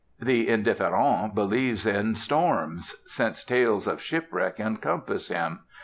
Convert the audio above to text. The indifférent believes in storms: since tales of shipwreck encompass him.